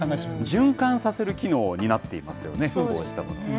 循環させる機能を担っていますよね、こうしたものはね。